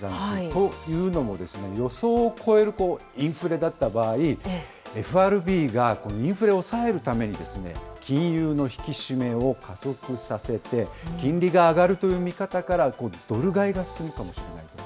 というのも、予想を超えるインフレだった場合、ＦＲＢがインフレを抑えるために、金融の引き締めを加速させて、金利が上がるという見方から、ドル買いが進むかもしれないと。